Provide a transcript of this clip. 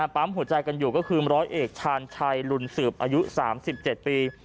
ปั๊มหัวใจกันอยู่ก็คือร้อยเอกชาญชัยลุนสืบอายุ๓๗ปี